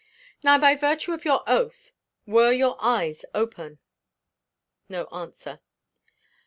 "Now by virtue of your oath were your eyes open?" No answer.